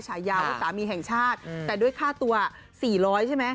ชายาวสามีแห่งชาติอืมแต่ด้วยค่าตัวสี่ร้อยใช่ไหม